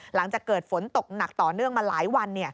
หลังจากเกิดฝนตกหนักต่อเนื่องมาหลายวัน